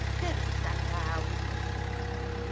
Zer izan da hau!